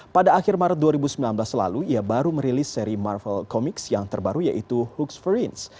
pada akhir maret dua ribu sembilan belas lalu ia baru merilis seri marvel comics yang terbaru yaitu hoox forensik